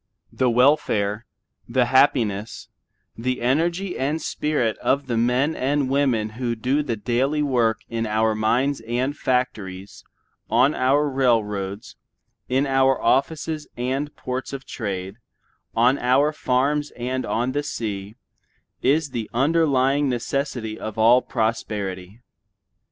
The welfare, the happiness, the energy and spirit of the men and women who do the daily work in our mines and factories, on our railroads, in our offices and ports of trade, on our farms and on the sea, is the underlying necessity of all prosperity.